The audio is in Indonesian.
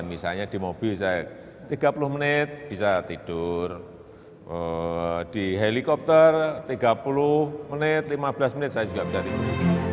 misalnya di mobil saya tiga puluh menit bisa tidur di helikopter tiga puluh menit lima belas menit saya juga bisa tidur